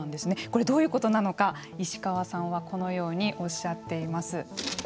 これどういうことなのか石川さんはこのようにおっしゃっています。